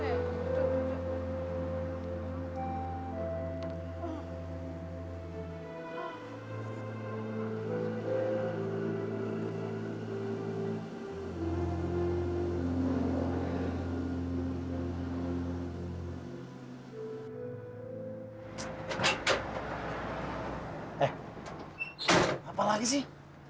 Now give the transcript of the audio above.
eh apa lagi sih